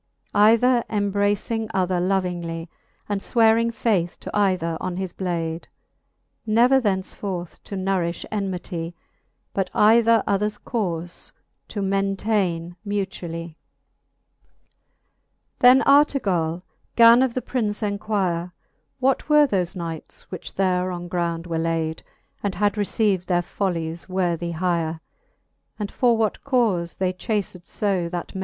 Either enibracing other lovingly, And fwearing faith to either on his blade, Never thenceforth to nourifh enmity, But either others caufe to maintaine mutually. Vol. III. R XV. Then 122 I'he fifth Booke of Canto VIIL XV. Then Artegall gan of the Prince enquire, What were thoie knights, which there on ground were layd, And had received their follies worthie hire. And for what caufe they chafed fb that mayd.